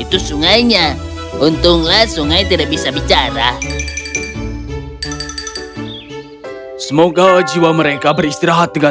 itu sungainya untunglah sungai tidak bisa bicara semoga jiwa mereka beristirahat dengan